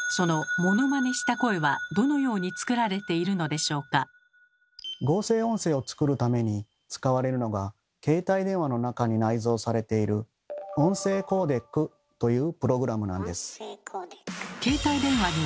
では合成音声を作るために使われるのが携帯電話の中に内蔵されている「音声コーデック」というプログラムなんです。